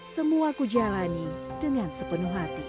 semua ku jalani dengan sepenuh hati